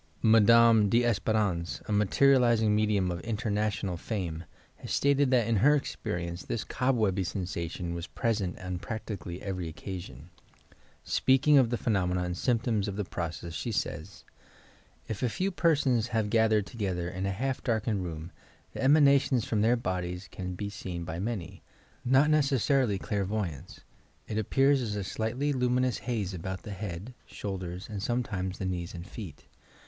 Madame D'Espcrance, a materializing medium of in ternational fame, has stated that in her experience this cobwebby sensation was present on practically every TOUR PSYCHIC POWEES occasioD. Speaking of the phenomena and symptoms of the process, she says :— "If a few persons have gathered together in a half darkened room, the emanations from their bodies can be seen by many — not necessarily clairvoyants. It ap pears as a slightly luminous haze about the bead, shoul ders and sometimes the knees and feet.